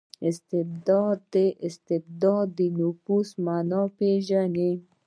استبداد د استبداد د نقش په مانا پېژني.